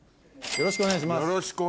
よろしくお願いします